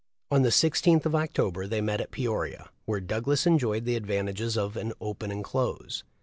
On the 16th of October they met at Peoria, where Douglas enjoyed the advantages of an "open and close."